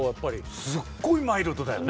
すっごいマイルドだよね。